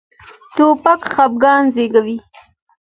توپک خپګان زېږوي.